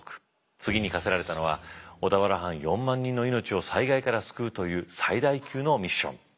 次に課せられたのは小田原藩４万人の命を災害から救うという最大級のミッション。